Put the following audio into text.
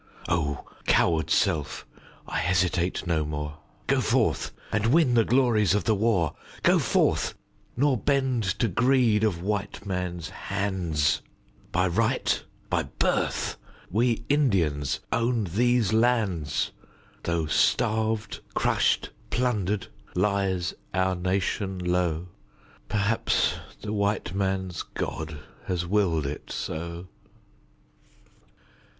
O! coward self I hesitate no more; Go forth, and win the glories of the war. Go forth, nor bend to greed of white men's hands, By right, by birth we Indians own these lands, Though starved, crushed, plundered, lies our nation low... Perhaps the white man's God has willed it so.